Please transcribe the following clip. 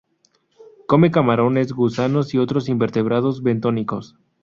Come camarones, gusanos y otros invertebrados bentónicos.